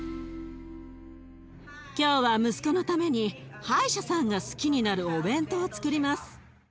今日は息子のために歯医者さんが好きになるお弁当をつくります。